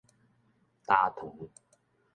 焦糖